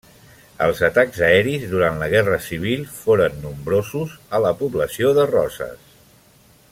Els atacs aeris durant la Guerra Civil foren nombrosos a la població de Roses.